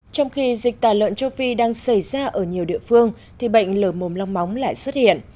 trong khi dịch tả lợn châu phi đang xảy ra ở nhiều địa phương thì bệnh lở mồm long móng lại xuất hiện